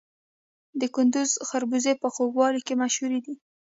د کندز خربوزې په خوږوالي کې مشهورې دي.